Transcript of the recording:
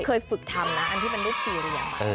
คือเคยฝึกทำนะอันที่มันรูปที่เรียนมาก